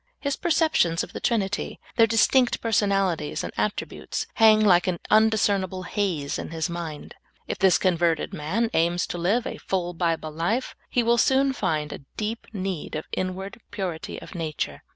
His perceptions of the Trinitj^ their distinct personal ities and attributes, hang like an undiscernible haze in his mind. If this converted man aims to live a full the: tende:r lamb. 141 Bible life, lie will will soon find a deep need of inward purity of nature.